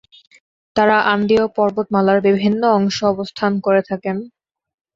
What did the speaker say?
তারা আন্দীয় পর্বতমালার বিভিন্ন অংশ অবস্থান করে থাকেন।